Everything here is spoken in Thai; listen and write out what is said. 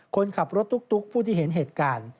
คนขับรถตุ๊กผู้ที่เห็นเหตุการณ์